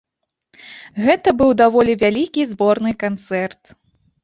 Гэта быў даволі вялікі зборны канцэрт.